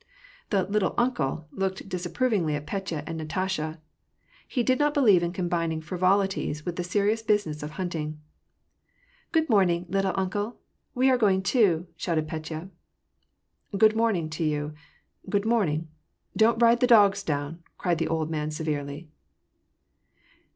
The " little uncle " looked disapprovingly at Petya and Nar tasha. He did not believe in combining frivolities with the serious business of hunting. '< Good morning, ' little uncle ;' we are going too/' shouted Petya. *^ Good morning to you, good morning ; don't ride the dogs down !" cried the old man severely.